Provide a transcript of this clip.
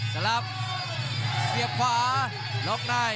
สลับเสียบขวาล็อกได้